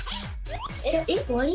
えっおわり？